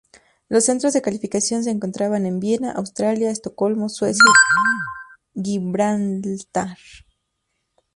Los centros de calificación se encontraban en Viena, Austria, Estocolmo, Suecia y Gibraltar.